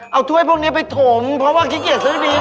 เอาถ้วยพวกนี้ไปถมเพราะว่าขี้เกียจซื้อดิน